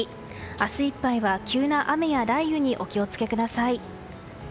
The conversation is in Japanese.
明日いっぱいは急な雨や雷雨にお気を付けください。